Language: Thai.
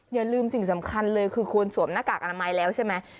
อย่าลืมสิ่งสำคัญเลยคือควรสวมหน้ากากอนามัยแล้วใช่ไหม